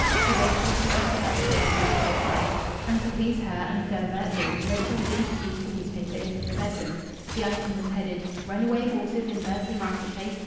To Rachel she pointed out the paragraph with pride, and to please her and divert Louis, Rachel had introduced the newspaper into the bedroom. The item was headed: "Runaway Horses in Bursley Market place.